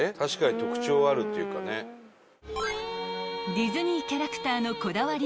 ［ディズニーキャラクターのこだわり